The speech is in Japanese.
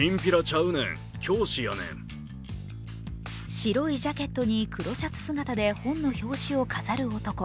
白いジャケットに黒シャツ姿で本の表紙を飾る男。